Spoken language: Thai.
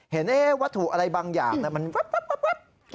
เห็นวัตถุอะไรบางอย่างมันปั๊บ